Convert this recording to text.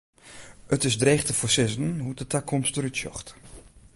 It is dreech te foarsizzen hoe't de takomst der út sjocht.